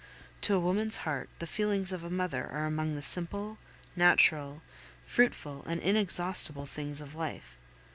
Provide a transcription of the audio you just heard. To a woman's heart the feelings of a mother are among the simple, natural, fruitful, and inexhaustible things of life.